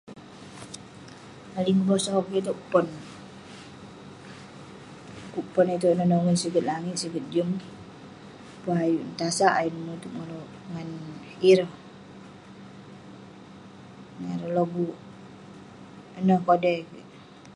Paling kebosau kik itouk pon. Kuk pon ineh nongen ulouk siget langit. singet jem. Pun ayuk neh tasak, ayuk neh mutup ngan ireh, ngan ireh lobik. Ineh kodai kek.